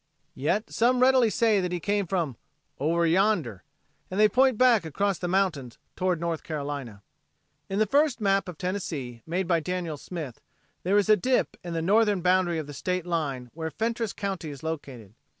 Yet some readily say that he came from "over yonder," and they point back across the mountains toward North Carolina. In the first map of Tennessee, made by Daniel Smith, there is a dip in the northern boundary of the state line where Fentress county is located.